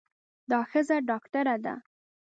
دا ښځه ډاکټره ده.